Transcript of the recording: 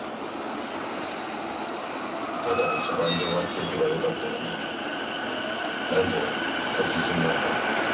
ただの茶番で終わっておけばよかったのになんで殺人なんか。